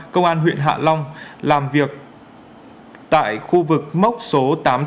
công an huyện hạ long làm việc tại khu vực mốc số tám trăm ba mươi bảy tám trăm ba mươi tám